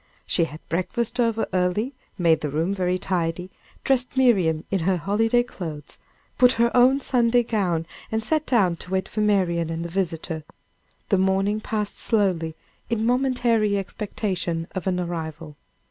She had breakfast over early, made the room very tidy, dressed Miriam in her holiday clothes, put on her own Sunday gown, and sat down to wait for Marian and the visitor. The morning passed slowly, in momentary expectation of an arrival.